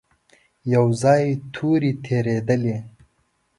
يو ځای تورې تېرېدلې.